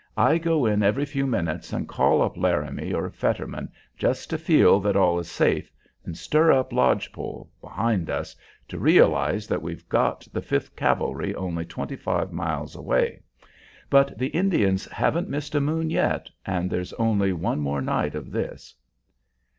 I go in every few minutes and call up Laramie or Fetterman just to feel that all is safe, and stir up Lodge Pole, behind us, to realize that we've got the Fifth Cavalry only twenty five miles away; but the Indians haven't missed a moon yet, and there's only one more night of this."